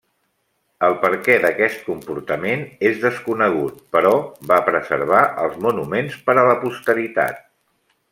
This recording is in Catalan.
El perquè d'aquest comportament és desconegut, però va preservar els monuments per a la posteritat.